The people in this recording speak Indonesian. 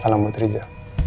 salam buat riza